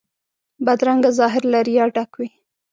بدرنګه ظاهر له ریا ډک وي